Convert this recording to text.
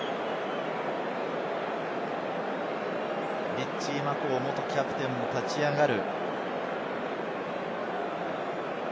リッチー・マコウ元キャプテンも立ち上がる。